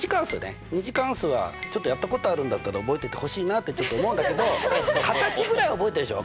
「２次関数」はちょっとやったことあるんだったら覚えててほしいなってちょっと思うんだけど形ぐらい覚えてるでしょ？